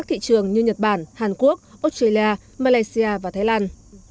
thị trường như nhật bản hàn quốc australia malaysia và thái lan